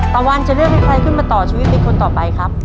ตะวันจะเลือกให้ใครขึ้นมาต่อชีวิตเป็นคนต่อไปครับ